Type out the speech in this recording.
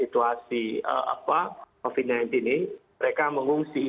situasi covid sembilan belas ini mereka mengungsi